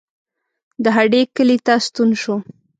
د هډې کلي ته ستون شو.